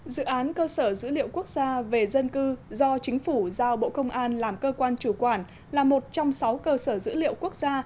dự án cơ sở dữ liệu quốc gia về dân cư do chính phủ giao bộ công an làm cơ quan chủ quản là một trong sáu cơ sở dữ liệu quốc gia